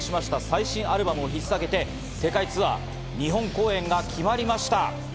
最新アルバムを引っ提げて、世界ツアー、日本公演が決まりました。